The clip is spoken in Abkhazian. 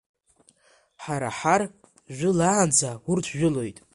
Ҳара ҳар жәылаанӡа урҭ жәылоит.